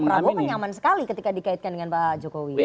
tapi pak prabowo menyaman sekali ketika dikaitkan dengan pak jokowi